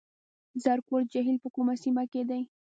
زرکول جهیل په کومه سیمه کې دی؟